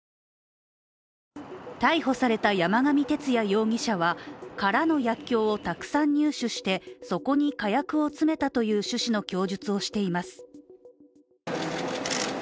逮捕された山上徹也容疑者は空の薬きょうをたくさん入手してそこに火薬を詰めたという趣旨の供述をしています。